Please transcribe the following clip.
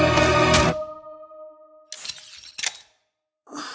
あっ。